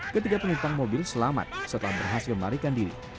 ketiga penumpang mobil selamat setelah berhasil melarikan diri